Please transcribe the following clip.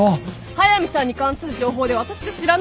速見さんに関する情報で私が知らないことはないのよ。